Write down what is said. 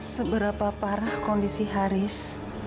seberapa parah kondisi haris